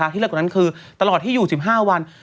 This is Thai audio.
ที่ลึกกว่านั้นคือตลอดที่อยู่๑๕วัน